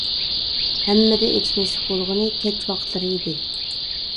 ھەممىدىن ئېچىنىشلىق بولغىنى كەچ ۋاقىتلىرى ئىدى.